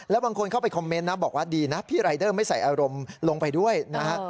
แล้วบางคนเข้าไปคอมเมนต์นะบอกว่าดีนะพี่รายเดอร์ไม่ใส่อารมณ์ลงไปด้วยนะฮะ